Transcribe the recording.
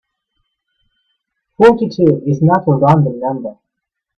Forty-two is not a random number.